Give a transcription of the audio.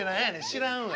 知らんわ。